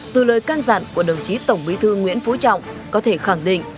từ lời can dặn của đồng chí tổng bí thư nguyễn phú trọng có thể khẳng định